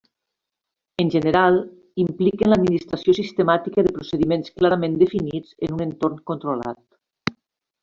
En general, impliquen l'administració sistemàtica de procediments clarament definits en un entorn controlat.